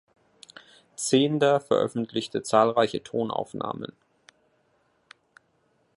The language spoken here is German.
Zehnder veröffentlichte zahlreiche Tonaufnahmen.